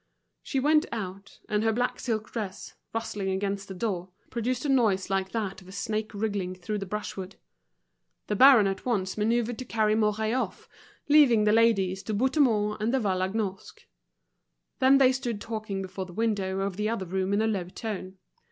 She went out, and her black silk dress, rustling against the door, produced a noise like that of a snake wriggling through the brushwood. The baron at once manoeuvred to carry Mouret off, leaving the ladies to Bouthemont and De Vallagnosc. Then they stood talking before the window of the other room in a low tone.